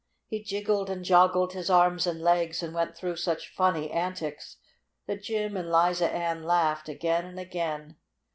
He jiggled and joggled his arms and legs, and went through such funny antics that Jim and Liza Ann laughed again and again.